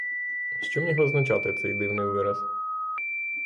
Що міг означати цей дивний вираз?